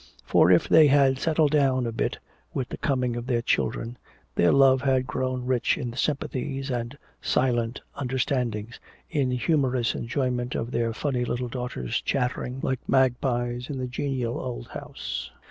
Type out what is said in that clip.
For if they had settled down a bit with the coming of their children, their love had grown rich in sympathies and silent understandings, in humorous enjoyment of their funny little daughters' chattering like magpies in the genial old house.